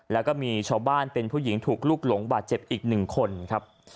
แล้วก็มีชาวบ้านเป็นผู้หญิงถูกลูกหลงบาดเจ็บอีก๑คนครับ